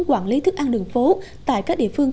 quản lý thức ăn đường phố tại các địa phương